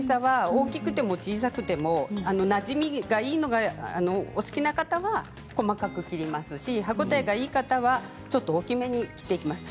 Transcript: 大きくても小さくてもなじみがいいのがお好きな方が細かく切りますし、歯応えがいいほうがいい方はちょっと大きめに切っていきます。